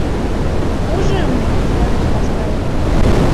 — Ужым, — манеш Маскаев.